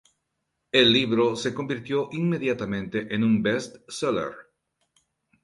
El libro se convirtió inmediatamente en un "best-seller".